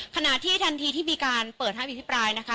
ขณะที่ทันทีที่มีการเปิดให้อภิปรายนะคะ